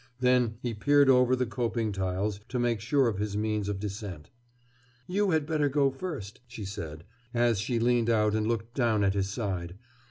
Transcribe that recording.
Then he peered over the coping tiles to make sure of his means of descent. "You had better go first," she said, as she leaned out and looked down at his side.